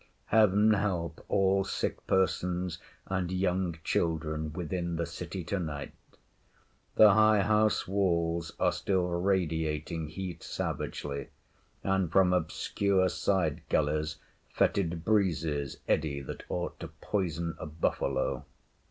Heaven help all sick persons and young children within the city to night! The high house walls are still radiating heat savagely, and from obscure side gullies fetid breezes eddy that ought to poison a buffalo.